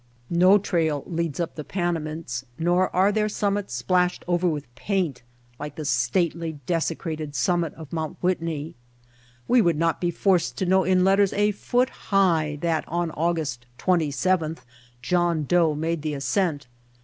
No trail leads up the Panamints, nor are their summits splashed over with paint like the stately, [i7'] White Heart of Mojave desecrated summit of Mt. Whitney. We would not be forced to know in letters a foot high that on August 27th, John Doe made the ascent.